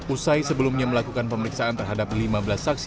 usai sebelumnya melakukan pemeriksaan terhadap lima belas saksi